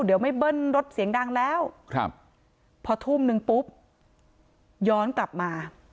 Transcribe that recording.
เดี๋ยวไม่เบิ้ลรถเสียงดังแล้วครับพอทุ่มนึงปุ๊บย้อนกลับมา